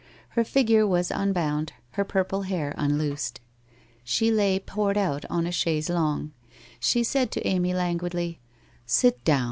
Her figure was unbound, her purple hair unloosed. She lay poured out on a chaise longne. She said to Amy lan guidly :' Sit down.